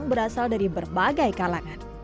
berasal dari berbagai kalangan